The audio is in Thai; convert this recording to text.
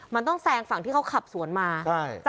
มันต้องแซงฝั่งที่เขาขับสวนมา